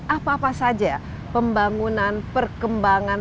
apa apa saja pembangunan perkembangan